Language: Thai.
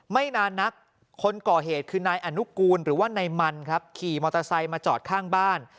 ไม่นานนักคนก่อเหตุคือนายอนุกูลหรือว่านายมันครับขี่มอเตอร์ไซค์มาจอดข้างบ้าน